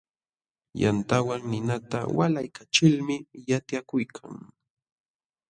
Yantawan ninata walaykachilmi watyakuykan.